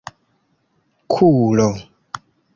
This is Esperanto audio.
kulo